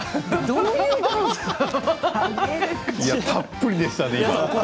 今もたっぷりでしたね。